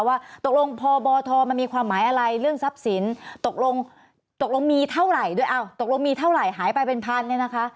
ว่าตกลงพอบทมันมีความหมายอะไรเรื่องทรัพย์สินตกลงมีเท่าไหร่หายไปเป็นพันนะคะ